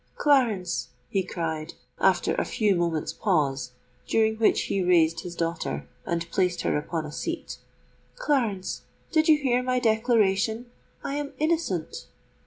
"Clarence," he cried, after a few moments' pause during which he raised his daughter, and placed her upon a seat,—"Clarence, did you hear my declaration? I am innocent!"